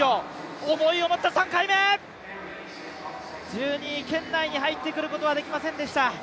１２位圏内に入ってくることはできませんでした。